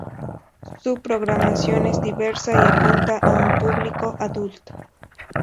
Su programación es diversa y apunta a un público adulto.